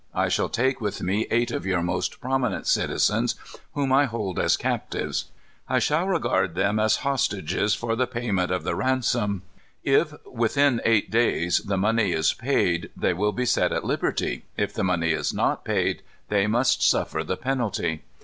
I shall take with me eight of your most prominent citizens, whom I hold as captives. I shall regard them as hostages for the payment of the ransom. If within eight days the money is paid, they will be set at liberty. If the money is not paid, they must suffer the penalty."